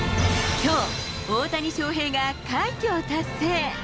きょう、大谷翔平が快挙を達成。